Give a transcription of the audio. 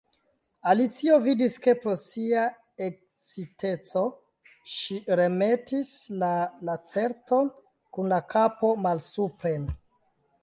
Alicio vidis, ke pro sia eksciteco ŝi remetis la Lacerton kun la kapo malsupren.